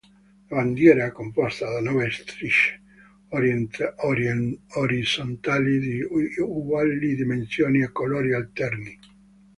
La bandiera è composta da nove strisce orizzontali di uguali dimensioni a colori alterni.